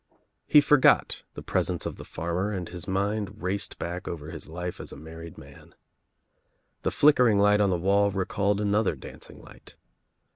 He forgot the presence of the farmer and his mind raced back over his life as a married man. The flicker ing light on the wall recalled another dancing light.